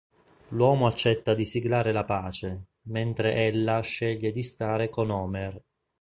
L'uomo accetta di siglare la pace, mentre Ella sceglie di stare con Omer.